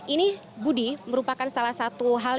ini budi merupakan salah satu hal